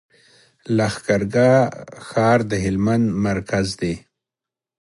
لښکر ګاه ښار د هلمند مرکز دی.